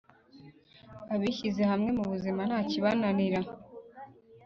Abishyize hamwe mu buzima ntakibananira